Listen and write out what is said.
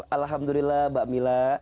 alhamdulillah mbak mila